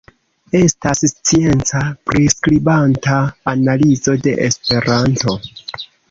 Estas scienca, priskribanta analizo de Esperanto.